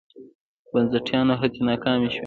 بنسټپالو هڅې ناکامې شوې.